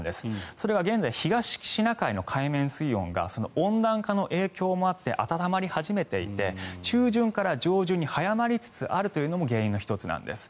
それが現在は東シナ海の海面水温が温暖化の影響もあって暖まり始めていて中旬から上旬に早まりつつあるというのも原因の１つなんです。